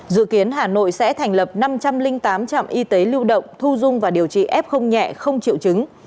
dự kiến hà nội sẽ thành lập năm trăm linh tám trạm y tế lưu động thu dung và điều trị ép không nhẹ không triệu chứng